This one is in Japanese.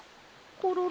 コロロ！